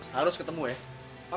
harus ketemu ya